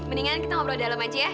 mendingan kita ngobrol dalam aja ya